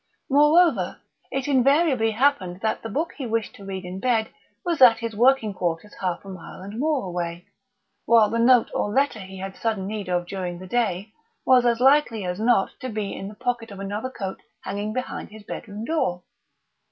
Moreover, it invariably happened that the book he wished to read in bed was at his working quarters half a mile and more away, while the note or letter he had sudden need of during the day was as likely as not to be in the pocket of another coat hanging behind his bedroom door.